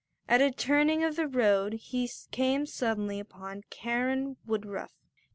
At a turning of the road he came suddenly upon Karen Woodruff.